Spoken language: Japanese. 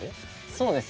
そうですね。